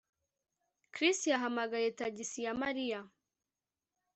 Chris yahamagaye tagisi ya Mariya